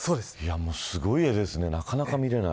すごい絵ですねなかなか見れない。